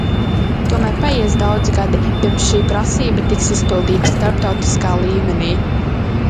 Tomēr paies daudzi gadi, pirms šī prasība tiks izpildīta starptautiskā līmenī.